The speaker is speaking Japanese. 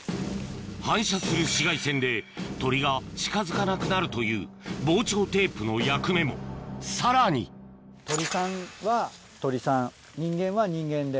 反射する紫外線で鳥が近づかなくなるという防鳥テープの役目もさらに鳥さんは鳥さん人間は人間で。